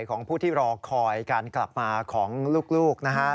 ของผู้ที่รอคอยการกลับมาของลูกนะฮะ